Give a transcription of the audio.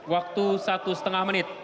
waktu satu lima menit